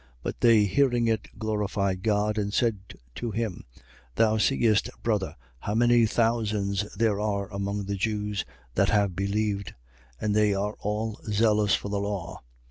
21:20. But they hearing it, glorified God and said to him: Thou seest, brother, how many thousands there are among the Jews that have believed: and they are all zealous for the law.